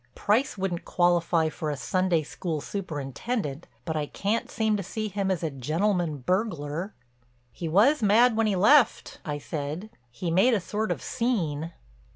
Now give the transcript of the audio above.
Price wouldn't qualify for a Sunday school superintendent, but I can't seem to see him as a gentleman burglar." "He was mad when he left," I said. "He made a sort of scene."